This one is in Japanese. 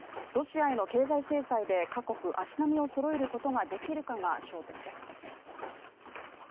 ロシアへの経済制裁で各国が足並みをそろえることができるかが焦点です。